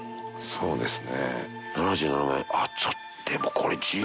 そうですね。